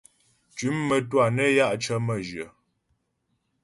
Tʉ̌m mə́twâ nə́ ya' cə̀ mə́jyə.